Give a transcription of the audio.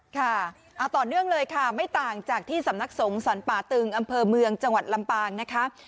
ค่ะต่อเนื่องเลยค่ะไม่ต่างจากที่สำนักสงฆ์สรรป่าตึงอำเภอเมืองจังหวัดลำปางนะคะ